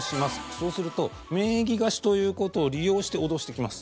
そうすると名義貸しということを利用して脅してきます。